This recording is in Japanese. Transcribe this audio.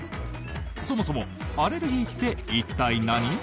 そもそもアレルギーって一体、何？